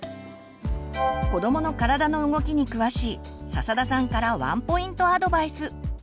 子どもの体の動きに詳しい笹田さんからワンポイントアドバイス。